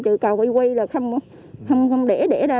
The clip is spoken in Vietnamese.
chứ cầu quay quay là không để ra